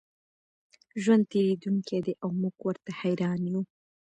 ژوند تېرېدونکی دی او موږ ورته حېران یو.